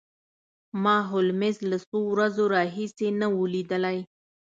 ما هولمز له څو ورځو راهیسې نه و لیدلی